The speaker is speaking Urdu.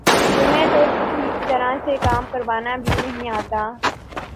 تمہیں تو ٹھیک طرح سے کام کروانا بھی نہیں آتا